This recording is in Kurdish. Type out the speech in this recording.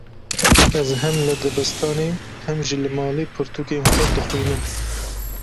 Ez hem li dibistanê, hem jî li malê pirtûkên xwe dixwînim.